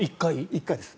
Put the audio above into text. １回です。